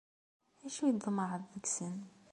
D acu i tḍemεeḍ deg-sen?